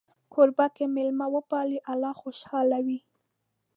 کوربه که میلمه وپالي، الله خوشحاله وي.